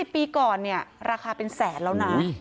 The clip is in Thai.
ปีก่อนเนี่ยราคาเป็นแสนแล้วนะ